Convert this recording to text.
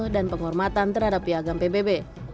dan penghormatan terhadap piagam pbb